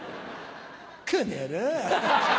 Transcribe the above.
この野郎！